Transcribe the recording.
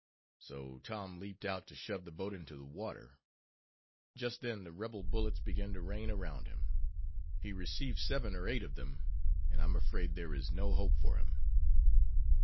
So Tom leaped out to shove the boat into the water. Just then the Rebel bullets began to rain around him. He received seven or eight of them, and I'm afraid there is no hope for him."